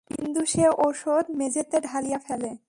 বিন্দু সে ওষুধ মেঝেতে ঢালিয়া ফেলে।